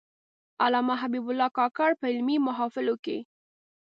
علامه حبیب الله کاکړ په علمي محافلو کې.